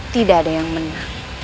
tidak ada yang menang